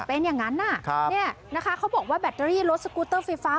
เป็นอย่างนั้นเนี่ยนะคะเขาบอกว่าแบตเตอรี่รถสกูเตอร์ไฟฟ้า